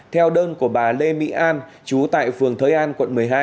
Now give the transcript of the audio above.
theo đơn của bà lê mỹ an trú tại phường thới an quận một mươi hai